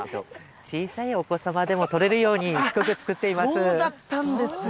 小さいお子様でも取れるようそうだったんですね。